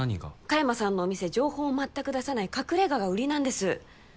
香山さんのお店情報を全く出さない隠れ家が売りなんです